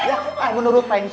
eh sam udah berdiri